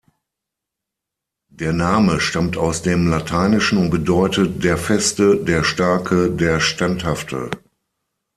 Der Name stammt aus dem Lateinischen und bedeutet „der Feste“, „der Starke“, „der Standhafte“.